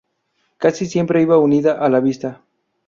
Casi siempre iba unida a la "vista".